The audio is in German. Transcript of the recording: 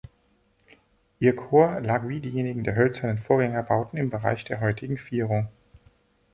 Ihr Chor lag wie diejenigen der hölzernen Vorgängerbauten im Bereich der heutigen Vierung.